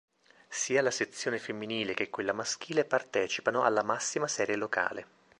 Sia la sezione femminile che quella maschile partecipano alla massima serie locale.